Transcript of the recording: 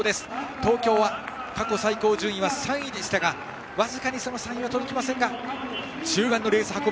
東京は過去最高順位は３位でしたが僅かにその３位には届きませんが中盤のレース運び